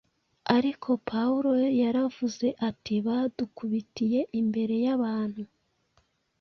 Ariko Pawulo yaravuze ati: “Badukubitiye imbere y’abantu,